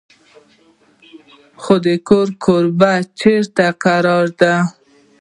خو کوربه چېرته کرارېده.